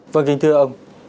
vâng kính thưa ông